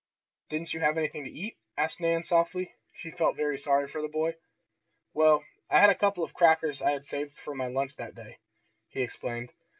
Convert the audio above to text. "Didn't you have anything to eat?" asked Nan softly. She felt very sorry for the boy. "Well, I had a couple of crackers I had saved from my lunch that day," he explained.